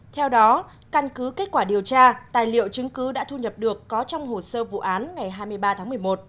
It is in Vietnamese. theo đó căn cứ kết quả điều tra tài liệu chứng cứ đã thu nhập được có trong hồ sơ vụ án ngày hai mươi ba tháng một mươi một